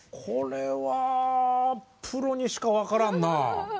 これはプロにしか分からんなあ。